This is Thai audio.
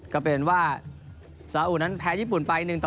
ก็เป็นว่าสาอุนั้นแพ้ญี่ปุ่นไป๑ต่อ